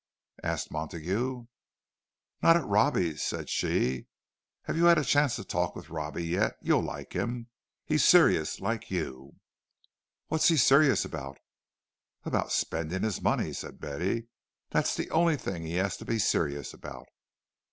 asked Montague. "Not at Robbie's," said she. "Have you had a chance to talk with Robbie yet? You'll like him—he's serious, like you." "What's he serious about?" "About spending his money," said Betty. "That's the only thing he has to be serious about."